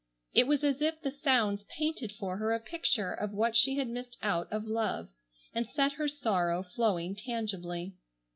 It was as if the sounds painted for her a picture of what she had missed out of love, and set her sorrow flowing tangibly.